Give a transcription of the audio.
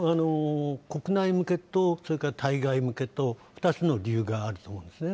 国内向けとそれから対外向けと、２つの理由があると思うんですね。